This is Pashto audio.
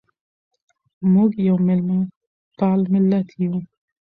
موږ یو مېلمه پال ملت یو.